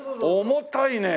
重たいね。